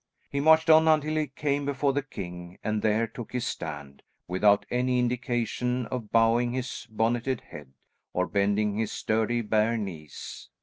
He marched on until he came before the king, and there took his stand, without any indication of bowing his bonneted head, or bending his sturdy bare knees.